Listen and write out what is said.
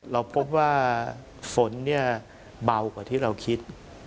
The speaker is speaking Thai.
เราพบว่าฝนเนี่ยเบากว่าที่เราคิด